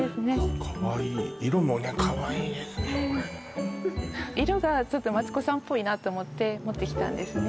かわいい色もかわいいですね色がマツコさんっぽいなと思って持ってきたんですね